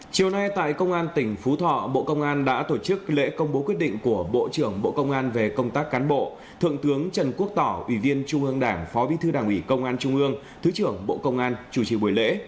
chiều nay tại công an tỉnh phú thọ bộ công an đã tổ chức lễ công bố quyết định của bộ trưởng bộ công an về công tác cán bộ thượng tướng trần quốc tỏ ủy viên trung ương đảng phó bí thư đảng ủy công an trung ương thứ trưởng bộ công an chủ trì buổi lễ